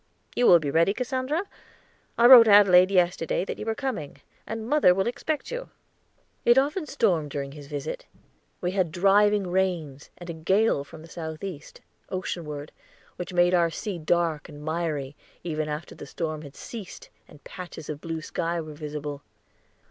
You will be ready, Cassandra? I wrote Adelaide yesterday that you were coming, and mother will expect you." It often stormed during his visit. We had driving rains, and a gale from the southeast, oceanward, which made our sea dark and miry, even after the storm had ceased and patches of blue sky were visible.